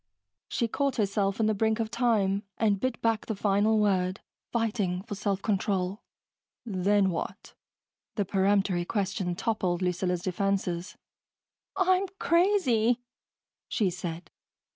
She caught herself in the brink of time and bit back the final word, fighting for self control. "Then what?" The peremptory question toppled Lucilla's defenses. "I'm crazy," she said.